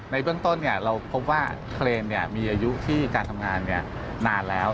ในเบื้องต้นเราพบว่าเครนมีอายุที่การทำงานนานแล้ว